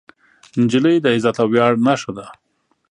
نجلۍ د عزت او ویاړ نښه ده.